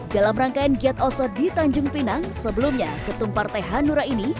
dalam rangkaian giat oso di tanjung pinang sebelumnya ketum partai hanura ini